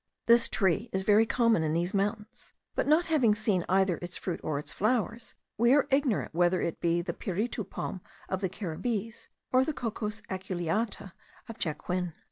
This tree is very common in these mountains; but not having seen either its fruit or its flowers, we are ignorant whether it be the piritu palm tree of the Caribbees, or the Cocos aculeata of Jacquin.